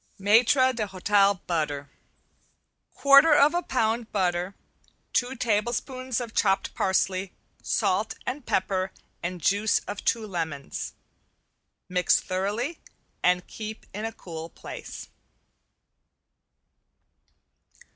~MAITRE D'HOTEL BUTTER~ Quarter of a pound of butter, two tablespoonfuls of chopped parsley, salt and pepper and juice of two lemons. Mix thoroughly and keep in cool place.